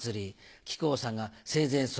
木久扇さんが「生前葬」。